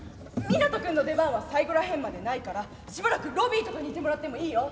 湊斗君の出番は最後ら辺までないからしばらくロビーとかにいてもらってもいいよ？